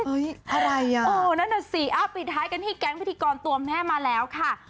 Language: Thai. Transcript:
อะไรอ่ะเออนั่นน่ะสิปิดท้ายกันที่แก๊งพิธีกรตัวแม่มาแล้วค่ะ